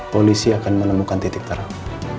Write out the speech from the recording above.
polisi akan menemukan titik terang